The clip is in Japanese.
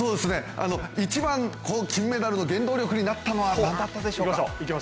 一番金メダルの原動力になったのは何だったんでしょうか？